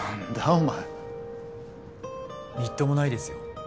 お前みっともないですよ